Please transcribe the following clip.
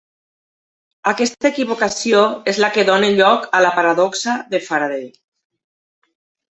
Aquesta equivocació és la que dóna lloc a la paradoxa de Faraday.